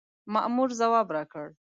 مامور ځواب راکړ.